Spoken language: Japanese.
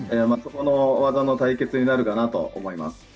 その技の対決になるかなと思います。